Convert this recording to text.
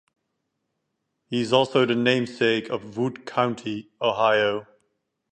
He is also the namesake of Wood County, Ohio.